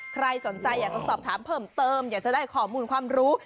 ใครสนใจอยากจะสอบถามเพิ่มเติมอยากจะได้ข้อมูลความรู้